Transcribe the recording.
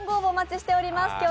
お待ちしております。